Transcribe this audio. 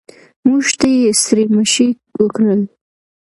موږ ته یې ستړي مه شي وکړل.